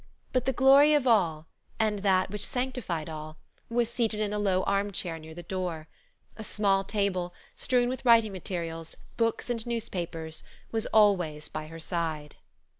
But the glory of all, and that which sanctified all, was seated in a low armchair near the door. A small table, strewn with writing materials, books and newspapers, was always by her side."